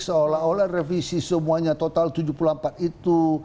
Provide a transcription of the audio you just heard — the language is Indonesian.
seolah olah revisi semuanya total tujuh puluh empat itu